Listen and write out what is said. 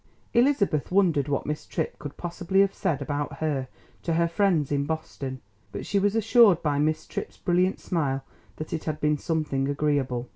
Elizabeth wondered what Miss Tripp could possibly have said about her to her friends in Boston. But she was assured by Miss Tripp's brilliant smile that it had been something agreeable.